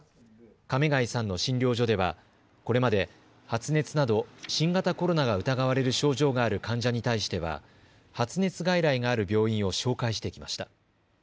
亀谷さんの診療所ではこれまで発熱など新型コロナが疑われる症状がある患者に対しては発熱外来がある病院を紹介してきました。